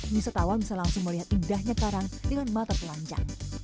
misatawan bisa langsung melihat indahnya karang dengan mata pelanjang